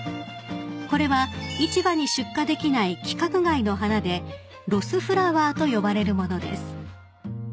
［これは市場に出荷できない規格外の花でロスフラワーと呼ばれる物です］